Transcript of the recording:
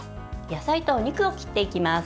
野菜とお肉を切っていきます。